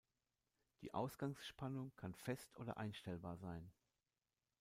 Die Ausgangsspannung kann fest oder einstellbar sein.